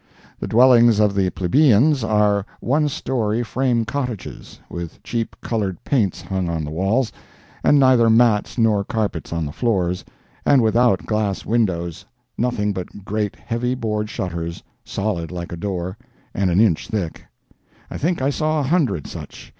The dwellings of the "plebeians" are one story frame cottages, with cheap colored paints hung on the walls, and neither mats nor carpets on the floors, and without glass windows—nothing but great heavy board shutters, solid like a door, and an inch thick. I think I saw a hundred such.